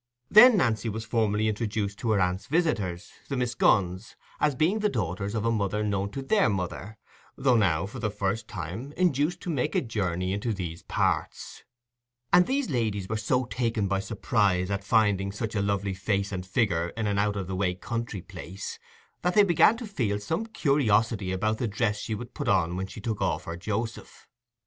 Then Nancy was formally introduced to her aunt's visitors, the Miss Gunns, as being the daughters of a mother known to their mother, though now for the first time induced to make a journey into these parts; and these ladies were so taken by surprise at finding such a lovely face and figure in an out of the way country place, that they began to feel some curiosity about the dress she would put on when she took off her joseph.